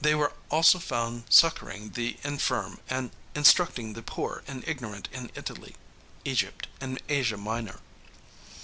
They were also found succoring the infirm and instructing the poor and ignorant in Italy, Egypt and Asia Minor.